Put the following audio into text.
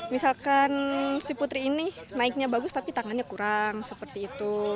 misalkan si putri ini naiknya bagus tapi tangannya kurang seperti itu